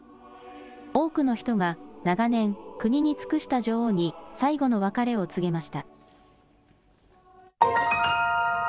多くの人が長年、国に尽くした女王に最後の別れを告げました。